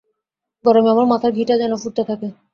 গরমে আমার মাথার ঘিটা যেন ফুটতে থাকে।